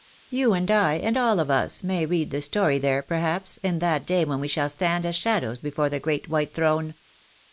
You and I, and all of us, may read the story there, perhaps, in that day when we shall stand as shadows before the great white throne."